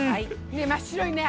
真っ白いね